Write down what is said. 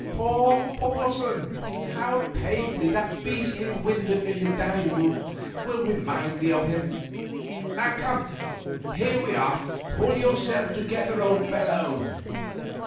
"Poor Porson! How painfully that beastly window in the dining room will remind me of him! Come, here we are; pull yourself together, old fellow."